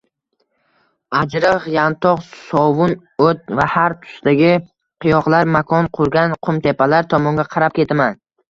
Ajriq, yantoq, sovun oʻt va har tusdagi qiyoqlar makon qurgan qumtepalar tomonga qarab ketaman.